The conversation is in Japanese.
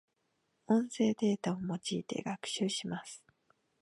音声データを用いて学習します。